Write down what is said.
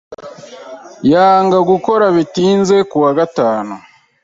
yanga gukora bitinze kuwa gatanu.